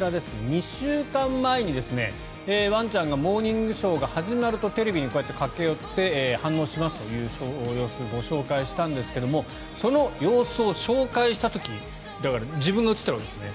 ２週間前にワンちゃんが「モーニングショー」が始まるとテレビにこうやって駆け寄って反応しますという様子をご紹介したんですがその様子を紹介した時だから自分が映っているわけですね。